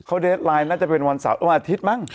เขาเดทไลนน่าจะเป็นวันอาทิตย์มั่ง